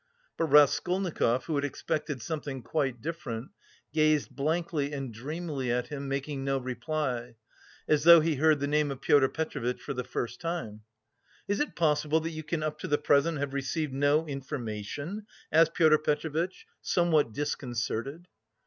But Raskolnikov, who had expected something quite different, gazed blankly and dreamily at him, making no reply, as though he heard the name of Pyotr Petrovitch for the first time. "Is it possible that you can up to the present have received no information?" asked Pyotr Petrovitch, somewhat disconcerted.